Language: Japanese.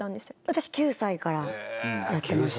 私９歳からやってました。